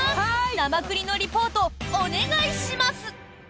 なまくりのリポートお願いします！